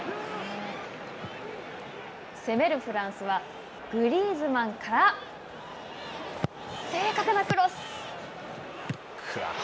攻めるフランスはグリーズマンから正確なクロス。